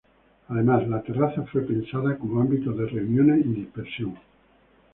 Además, la terraza fue pensada como ámbito de reuniones y dispersión.